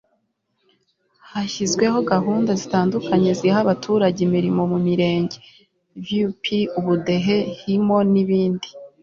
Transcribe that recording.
hashyizweho gahunda zitandukanye ziha abaturage imirimo mu mirenge (vup, ubudehe, himo n'ibindi